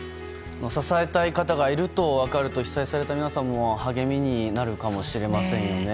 支えたい方がいると分かると被災された皆さんも励みになるかもしれませんよね。